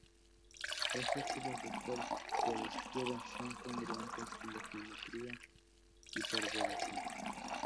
Dos círculos de Ford cualesquiera son congruentes en la geometría hiperbólica.